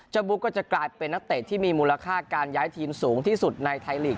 บุ๊กก็จะกลายเป็นนักเตะที่มีมูลค่าการย้ายทีมสูงที่สุดในไทยลีก